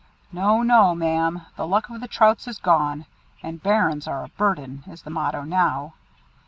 No! no! Ma'am, the luck of the Trouts is gone, and 'Bairns are a burden,' is the motto now.